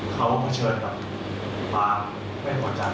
ภาระไม่เหลือจากฝรั่งฝรั่งกับแหลกค้ากับสังคม